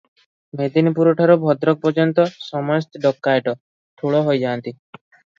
ମେଦିନିପୁରଠାରୁ ଭଦ୍ରକ ପର୍ଯ୍ୟନ୍ତ ସମସ୍ତ ଡକାଏତ ଠୁଳ ହୋଇଅଛନ୍ତି ।